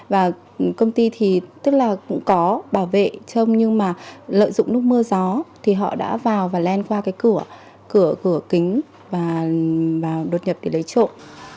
và công ty thì tức là cũng có bảo vệ trông nhưng mà lợi dụng lúc mưa gió thì họ đã vào và len qua cái cửa cửa kính và đột nhập để lấy trộm